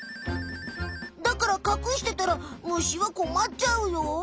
だからかくしてたら虫はこまっちゃうよ？